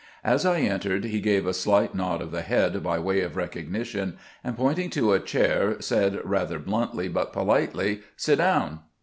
As I entered he gave a slight nod of the head by way of recognition, and pointing to a chair, said rather bluntly, but politely, " Sit down."